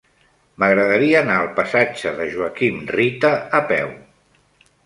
M'agradaria anar al passatge de Joaquim Rita a peu.